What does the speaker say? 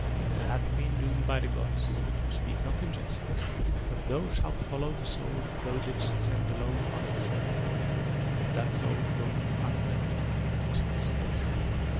It hath been doomed by the gods, who speak not in jest, that thou shalt follow the soul that thou didst send alone upon its journey, that that soul go not unattended up the crystal steps.